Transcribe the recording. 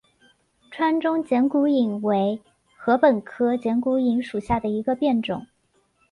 川中剪股颖为禾本科剪股颖属下的一个变种。